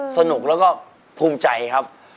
สนุกแล้วก็ภูมิใจครับ